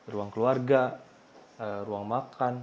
ruang keluarga ruang makan dan dapur